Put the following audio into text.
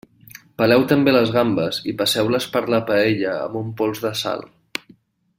Peleu també les gambes i passeu-les per la paella amb un pols de sal.